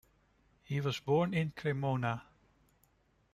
He was born in Cremona.